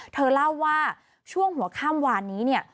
เธอเล่าว่าช่วงหัวข้ามวานนี้เนี่ย